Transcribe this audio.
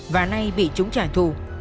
và nay bị chúng trả thù